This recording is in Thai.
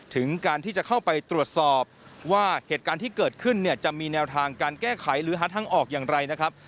ถึงการที่จะเข้าไปตรวจสอบว่าเหตุการณ์ที่เกิดขึ้นเนี่ยจะมีแนวทางการแก้ไขหรือหาทางออกอย่างไรนะครับ